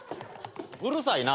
うるさいな。